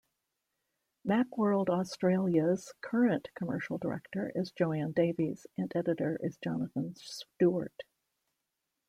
"Macworld Australia"'s current Commercial Director is Joanne Davies and Editor is Jonathan Stewart.